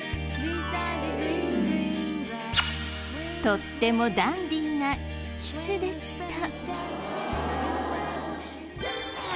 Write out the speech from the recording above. とってもダンディなキスでした。